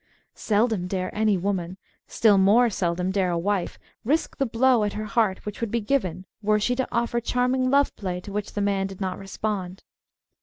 Seldom dare any woman, still more seldom dare a wife, risk the blow at her heart which would be given were she to offer charming love play to which the man did not respond.